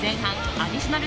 アディショナル